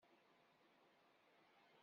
D acu i ten-ixuṣṣen?